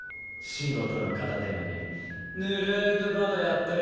仕事の片手間にぬるくバドやっ